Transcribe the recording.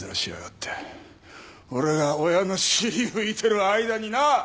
俺が親の尻拭いてる間にな！